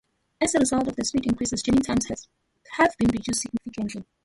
As a result of the speed increases, journey times have been reduced significantly.